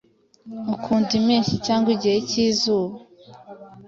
Ukunda impeshyi cyangwa igihe cyizuba?